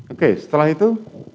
oke setelah itu